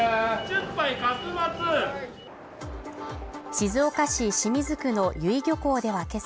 静岡市清水区の由比漁港ではけさ